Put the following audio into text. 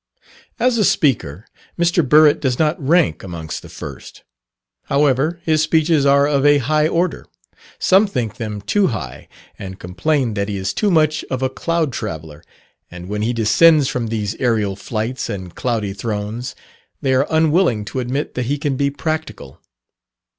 As a speaker, Mr. Burritt does not rank amongst the first. However, his speeches are of a high order, some think them too high, and complain that he is too much of a cloud traveller, and when he descends from these aerial flights and cloudy thrones, they are unwilling to admit that he can be practical.